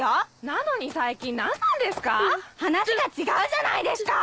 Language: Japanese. なのに最近何なんですか⁉話が違うじゃないですか！